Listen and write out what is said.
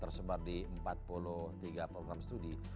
tersebar di empat puluh tiga program studi